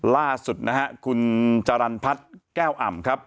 ล่าสุดนะฮะคุณจรรย์พัฒน์แก้วอ่ำครับ